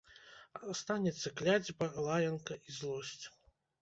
Астанецца кляцьба, лаянка і злосць.